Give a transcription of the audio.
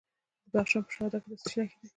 د بدخشان په شهدا کې د څه شي نښې دي؟